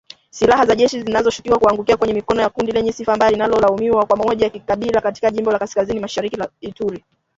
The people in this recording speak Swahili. Silaha za jeshi zinashukiwa kuangukia kwenye mikono ya kundi lenye sifa mbaya linalolaumiwa kwa mauaji ya kikabila katika jimbo la kaskazini-mashariki la Ituri.